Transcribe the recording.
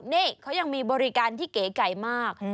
นี่เขายังมีบริการที่เก๋ไก่มาก